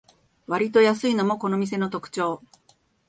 わりと安いのもこの店の特長